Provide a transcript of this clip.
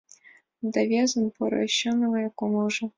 Да весын — поро, чынле кумылжо.